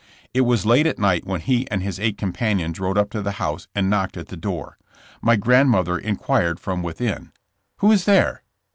It was late at night when he and his eight companions rode up to the house and knocked at the door. My grandmother inquired from within: *'Who is there?"